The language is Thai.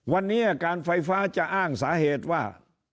วันนี้การไฟฟ้าจะอ้างสาเหตุว่า